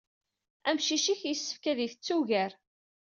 Amcic-ik yessefk ad isett ugar.